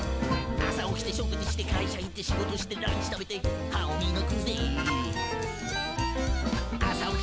「朝起きて食事して会社行って仕事してランチ食べて昼寝して」